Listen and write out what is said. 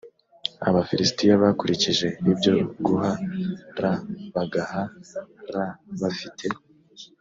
abafilisitiya bakurikije ibyo guh ra bagah ra bafite